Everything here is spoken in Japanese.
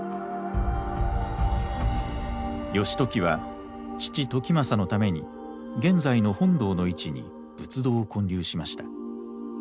義時は父時政のために現在の本堂の位置に仏堂を建立しました。